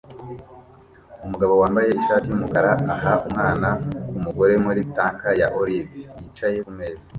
Umugabo wambaye ishati yumukara aha umwana kumugore muri tank ya olive yicaye kumeza